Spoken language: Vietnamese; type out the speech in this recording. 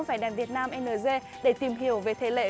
vnng com để tìm hiểu về thể lệ